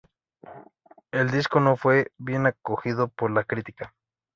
El disco no fue bien acogido por la crítica.